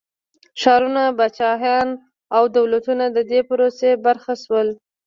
ښارونه، پاچاهيان او دولتونه د دې پروسې برخه شول.